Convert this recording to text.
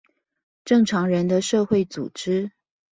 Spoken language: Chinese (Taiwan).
正常人的社會組織